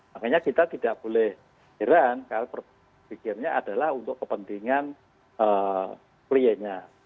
makanya kita tidak boleh heran kalau berpikirnya adalah untuk kepentingan kliennya